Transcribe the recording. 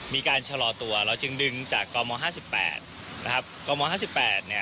มีการชะลอตัวแล้วจึงดึงจากกอร์มอร์ห้าสิบแปดนะครับกอร์มอร์ห้าสิบแปดเนี้ย